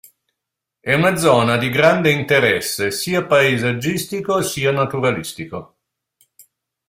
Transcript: È una zona di grande interesse sia paesaggistico sia naturalistico.